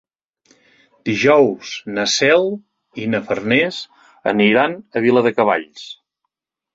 Dijous na Cel i na Farners aniran a Viladecavalls.